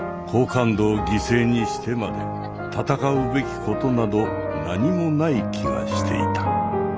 好感度を犠牲にしてまで戦うべきことなど何もない気がしていた。